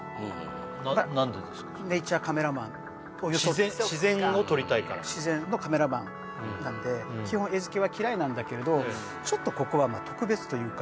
正直言って僕自然のカメラマンなんで基本餌付けは嫌いなんだけれどちょっとここは特別というか